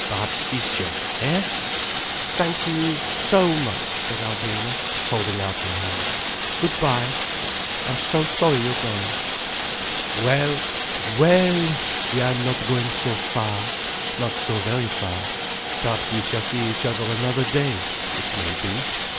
Perhaps Ciccio? Hé?" "Thank you so much," said Alvina, holding out her hand. "Good bye. I'm so sorry you're going." "Well—well! We are not going so very far. Not so very far. Perhaps we shall see each other another day. It may be.